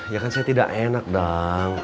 ya kan saya tidak enak dong